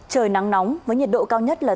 trời nắng nóng với nhiệt độ cao nhất là